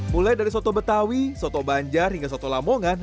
mulai dari soto betawi soto banjar hingga soto lamongan